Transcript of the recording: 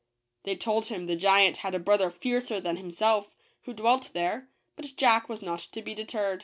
They told him the giant had a brother fiercer than himself, who dwelt there; but Jack was not to be deterred.